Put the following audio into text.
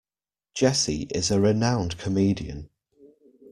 Jessie is a renowned comedian.